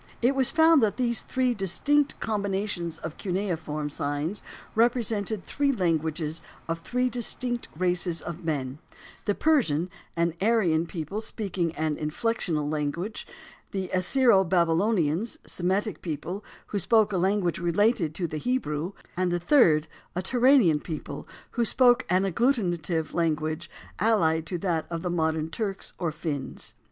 It was found that these three distinct combinations of cuneiform signs represented three languages of three distinct races of men, the Persian, an Aryan people speaking an inflectional language; the Assyro Babylonians, Semitic people who spoke a language related to the Hebrew, and the third a Turanian people who spoke an agglutinative language, allied to that of the modern Turks or Finns.